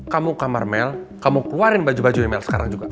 kamu kamar mel kamu keluarin baju baju mel sekarang juga